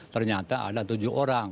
ternyata ada tujuh orang